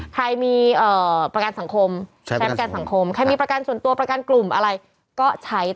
ใครมีประกันสังคมใช้ประกันสังคมใครมีประกันส่วนตัวประกันกลุ่มอะไรก็ใช้